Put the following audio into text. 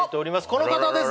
この方です